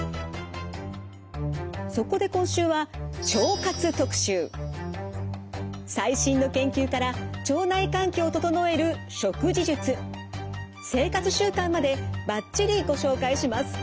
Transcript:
そこで今週は最新の研究から腸内環境を整える食事術生活習慣までバッチリご紹介します。